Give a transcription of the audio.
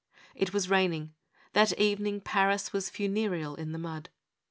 It was raining; that evening Paris was funereal in the mud.